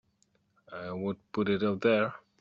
I would put it up there!